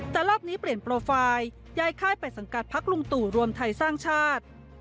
แต่รอบนี้เปลี่ยนโปรไฟล์ย้ายค่ายไปสังกัดพักลุงตู่รวมไทยสร้างชาติ